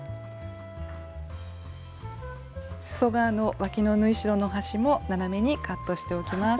すそ側のわきの縫い代の端も斜めにカットしておきます。